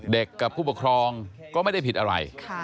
กับผู้ปกครองก็ไม่ได้ผิดอะไร